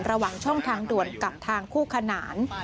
ระหว่างช่องทางด่วนกับทางคู่ขนาน